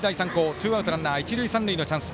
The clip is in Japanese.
ツーアウトランナー、一塁三塁のチャンス。